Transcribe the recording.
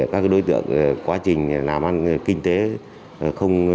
các đối tượng quá trình làm ăn kinh tế không